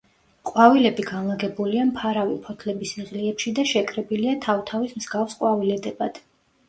ყვავილები განლაგებულია მფარავი ფოთლების იღლიებში და შეკრებილია თავთავის მსგავს ყვავილედებად.